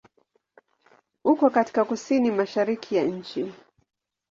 Uko katika kusini-mashariki ya nchi.